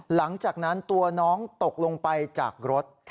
หลังจากนั้นตัวน้องตกลงไปจากรถ